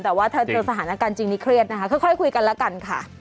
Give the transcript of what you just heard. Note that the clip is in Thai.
แต่ว่าถ้าเจอสถานการณ์จริงนี้เครียดนะคะค่อยคุยกันแล้วกันค่ะ